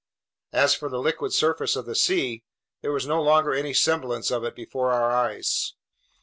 As for the liquid surface of the sea, there was no longer any semblance of it before our eyes.